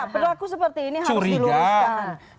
perlaku seperti ini harus diluaskan